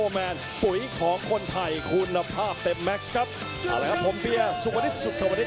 เอาละครับผมเบียร์สุขวันนิดสุขวันนิด